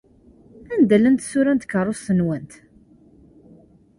Anda llant tsura n tkeṛṛust-nwent?